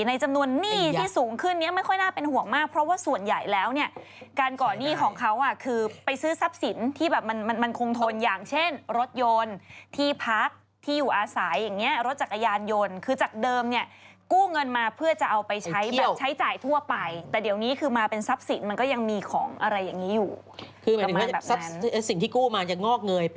ในจำนวนหนี้ที่สูงขึ้นเนี่ยไม่ค่อยน่าเป็นห่วงมากเพราะว่าส่วนใหญ่แล้วเนี่ยการก่อนหนี้ของเขาคือไปซื้อทรัพย์สินที่แบบมันคงทนอย่างเช่นรถยนต์ที่พักที่อยู่อาศัยอย่างเนี่ยรถจักรยานยนต์คือจากเดิมเนี่ยกู้เงินมาเพื่อจะเอาไปใช้แบบใช้จ่ายทั่วไปแต่เดี๋ยวนี้คือมาเป็นทรัพย์สินมันก็ยัง